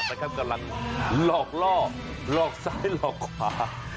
แต่เขากำลังหลอกหลอกซ้ายหลอกขวา